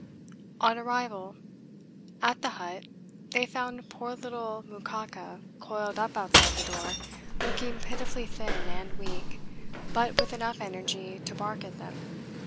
On arrival at the hut they found poor little 'Mukaka' coiled up outside the door, looking pitifully thin and weak, but with enough energy to bark at them.